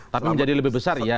tapi menjadi lebih besar ya